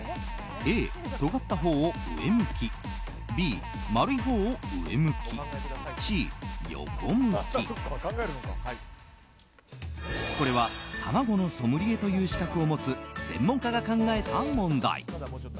Ａ、とがったほうを上向きＢ、丸いほうを上向きＣ、横向きこれはタマゴのソムリエという資格を持つ専門家が考えた問題。